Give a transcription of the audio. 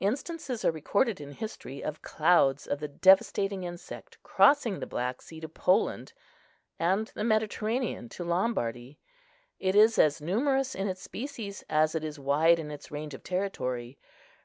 Instances are recorded in history of clouds of the devastating insect crossing the Black Sea to Poland, and the Mediterranean to Lombardy. It is as numerous in its species as it is wide in its range of territory.